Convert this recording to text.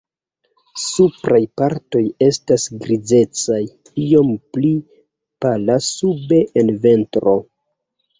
Supraj partoj estas grizecaj, iom pli pala sube en ventro.